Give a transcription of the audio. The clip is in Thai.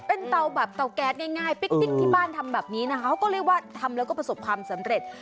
เป็นเตาแบบเตาแก๊สง่ายปิ๊กที่บ้านทำแบบนี้นะคะเขาก็เรียกว่าทำแล้วก็ประสบความสำเร็จ